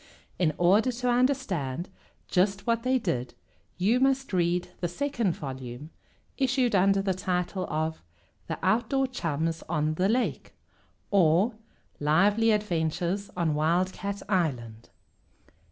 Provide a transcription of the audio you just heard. In order to understand just what they did you must read the second volume, issued under the title of "The Outdoor Chums on the Lake; or, Lively Adventures on Wildcat Island."